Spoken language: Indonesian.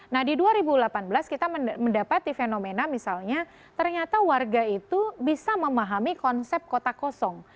nah di dua ribu delapan belas kita mendapati fenomena misalnya ternyata warga itu bisa memahami konsep kota kosong